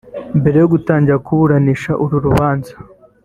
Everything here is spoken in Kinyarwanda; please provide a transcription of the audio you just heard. Mbere yo gutangira kuburanisha uru rubanza